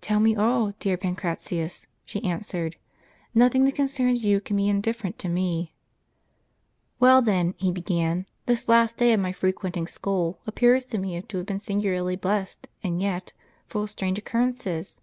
"Tell me all, dear Pancratius," she answered; "nothing that concerns you can be indifferent to me." " Well, then," he began, " this last day of my frequenting school appears to me to have been singularly blessed, and yet * The peculiar epithet of the Catacombs. & full of strange occurrences.